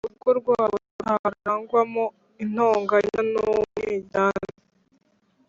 bakubahana, ku buryo urugo rwabo rutarangwagamo intonganyan’umwiryane.